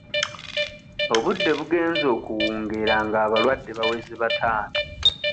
Obudde bugenze okuwungeera ng'abalwadde baweze bataano.